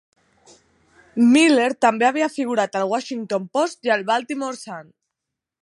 Miller també havia figurat al "Washington Post" i al "Baltimore Sun".